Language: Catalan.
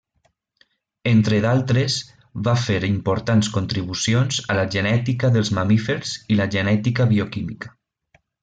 Entre d'altres va fer importants contribucions a la genètica dels mamífers i la genètica bioquímica.